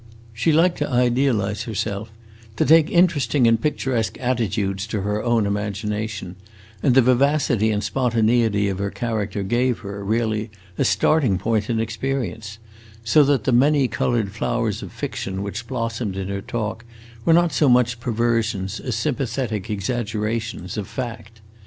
She liked to idealize herself, to take interesting and picturesque attitudes to her own imagination; and the vivacity and spontaneity of her character gave her, really, a starting point in experience; so that the many colored flowers of fiction which blossomed in her talk were not so much perversions, as sympathetic exaggerations, of fact.